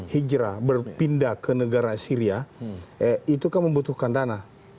hijrah berpindah ke negara syria itu kan membutuhkan dana